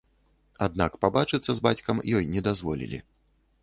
Аднак пабачыцца з бацькам ёй не дазволілі.